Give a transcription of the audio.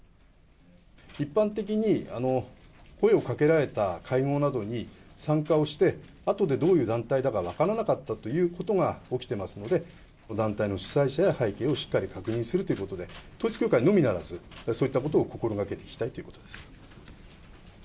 一般的に声をかけられた会合などに参加をして、あとでどういう団体だか分からなかったということが起きてますので、団体の主催者や背景をしっかり確認するということで、統一教会のみならず、そういったことを心がけていきたいということです。